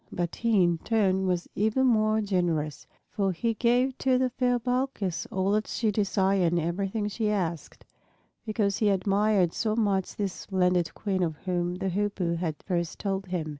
But he in turn was even more generous. For he gave to the fair Balkis all that she desired and everything she asked, because he admired so much this splendid Queen of whom the Hoopoe had first told him.